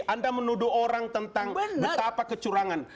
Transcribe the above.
anda menuduh orang tentang betapa kecurangan